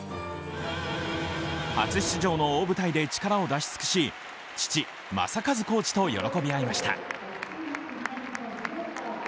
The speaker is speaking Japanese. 初出場の大舞台で力を出し尽くし、父、正和コーチと喜び合いました。